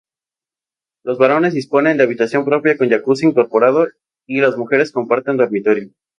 Los varones disponen de habitación propia, con jacuzzi incorporado y las mujeres comparten dormitorio.